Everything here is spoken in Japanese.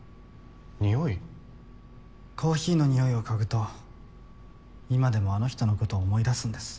コーヒーの匂いを嗅ぐと今でもあの人のことを思い出すんです。